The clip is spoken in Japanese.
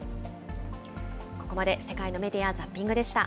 ここまで世界のメディア・ザッピングでした。